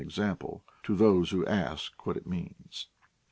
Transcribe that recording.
21 example to those who ask what it means.